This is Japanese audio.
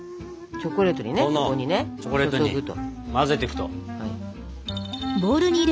チョコレートに混ぜてくと。